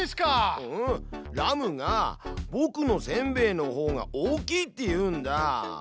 ラムがぼくのせんべいのほうが大きいって言うんだ。